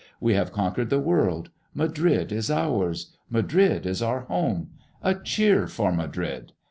We have conquered the world. Madrid is ours. Madrid is our home. A cheer for Madrid!